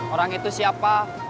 orang itu siapa